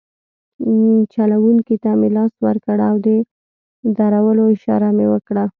چلونکي ته مې لاس ورکړ او د درولو اشاره مې وکړه.